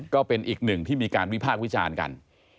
ก็เป็นอีกหนึ่งที่มีการวิพากษ์วิจารณ์กัน